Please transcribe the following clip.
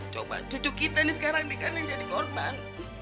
coba cucu kita nih sekarang nih kan yang jadi korban